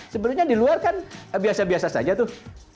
sebenarnya di luar kan biasa biasa saja tuh